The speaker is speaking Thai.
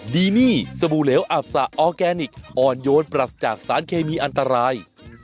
ดีนี่สบู่เหลวอับสะออร์แกนิคอ่อนโยนปรัสจากสารเคมีอันตราย